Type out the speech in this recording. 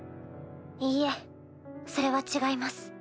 いいえそれは違います。